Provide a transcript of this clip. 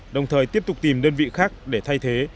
đồng thời tiếp tục tìm đơn vị khác để thay thế